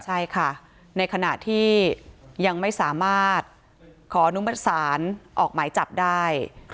ใช่ค่ะในขณะที่ยังไม่สามารถขออนุมัติศาลออกหมายจับได้